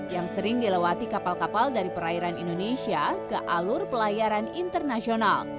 yang sering dilewati kapal kapal dari perairan indonesia ke alur pelayaran internasional